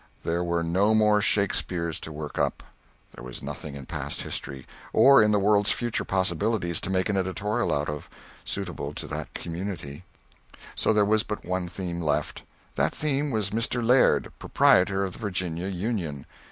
There were no more Shakespeares to work up. There was nothing in past history, or in the world's future possibilities, to make an editorial out of, suitable to that community; so there was but one theme left. That theme was Mr. Laird, proprietor of the Virginia "Union."